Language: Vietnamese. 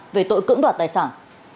về tội cưỡng đoạt tài sản